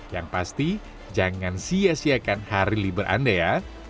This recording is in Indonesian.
yang pasti jangan sia siakan hari libur anda ya